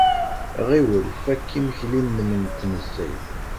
Ɣiwel, fak imekli-nnem n tnezzayt.